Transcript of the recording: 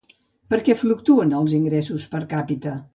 Per què fluctuen els ingressos per càpita?